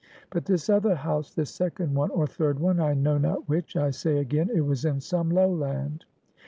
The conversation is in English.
But this other house, this second one, or third one, I know not which, I say again it was in some lowland.